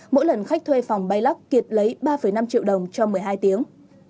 mỗi lần khách thuê phòng bay lắc kiệt lấy ba năm triệu đồng cho một mươi hai tiếng